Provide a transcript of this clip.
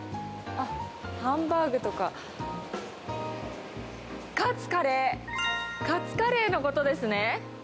ハンバーグとか、勝つカレーカツカレーのことですね。